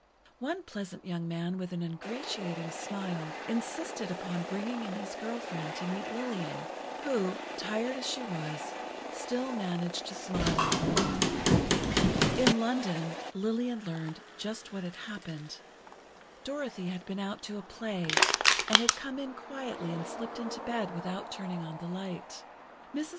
One pleasant young man with an ingratiating smile, insisted upon bringing in his girl friend to meet Lillian, who, tired as she was, still managed to smile at them. In London, Lillian learned just what had happened: Dorothy had been out to a play, and had come in quietly and slipped into bed without turning on the light. Mrs.